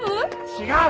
違う！